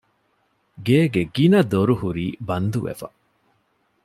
ގޭގެ ގިނަ ދޮރު ހުރީ ބަންދުވެފަ